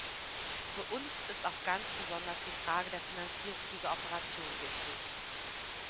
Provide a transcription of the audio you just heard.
Für uns ist auch ganz besonders die Frage der Finanzierung dieser Operation wichtig.